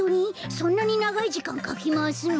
そんなにながいじかんかきまわすの？